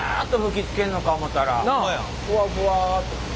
ふわふわっと。